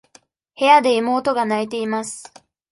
部屋で妹が泣いています。